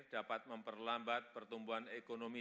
dapat memperlambat pertumbuhan ekonomi